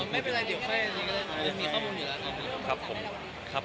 ไม่เป็นไรเดี๋ยวแค่นี้เลยมันมีข้อมูลอยู่แล้ว